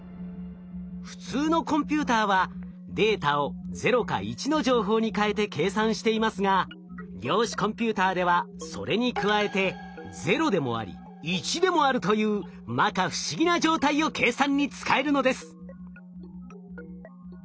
普通のコンピューターはデータを「０」か「１」の情報に変えて計算していますが量子コンピューターではそれに加えてというまか不思議な状態を計算に使えるのです。